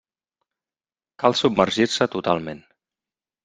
Cal submergir-se totalment.